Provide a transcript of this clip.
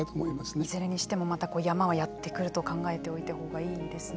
いずれにしてもまた山はやってくると考えたほうがいいんですね。